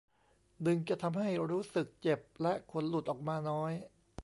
ดึงจะทำให้รู้สึกเจ็บและขนหลุดออกมาน้อย